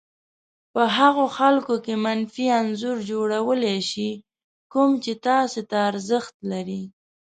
په هغو خلکو کې منفي انځور جوړولای شي کوم چې تاسې ته ارزښت لري.